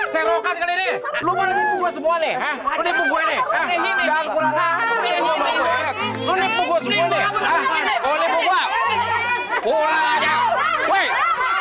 serokan ke nilai lu mau semua nih